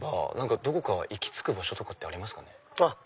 どこか行き着く場所ってありますか？